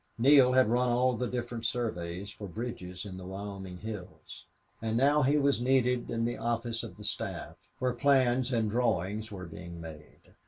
Neale had run all the different surveys for bridges in the Wyoming hills and now he was needed in the office of the staff, where plans and drawings were being made.